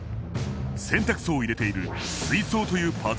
洗濯槽を入れている水槽というパーツだ。